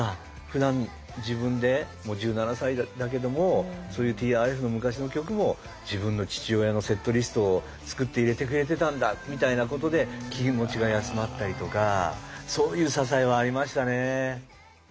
ふだん自分でもう１７歳だけどもそういうＴＲＦの昔の曲も自分の父親のセットリストを作って入れてくれてたんだみたいなことで気持ちが休まったりとかそういう支えはありましたね。